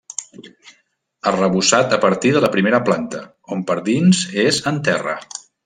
Arrebossat a partir de la primera planta on per dins és en terra.